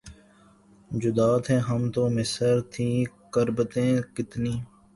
جدا تھے ہم تو میسر تھیں قربتیں کتنی